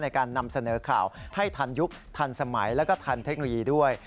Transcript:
นำเสนอข่าวให้ทันยุคทันสมัยแล้วก็ทันเทคโนโลยีด้วย